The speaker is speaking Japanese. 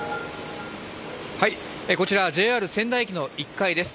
こちらはＪＲ仙台駅の１階です。